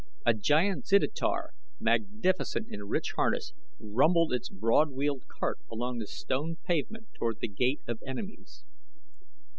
A giant zitidar, magnificent in rich harness, rumbled its broad wheeled cart along the stone pavement toward The Gate of Enemies.